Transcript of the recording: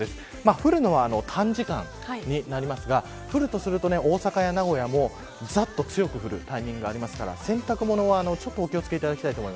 降るのは短時間になりますが降るとすると、大阪や名古屋もざっと強く降るタイミングがあるので洗濯物にはお気を付けください。